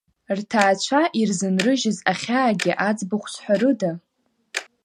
Рҭаацәа ирзынрыжьыз ахьаагьы аӡбахә зҳәарыда?